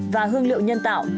và hương liệu nhân tạo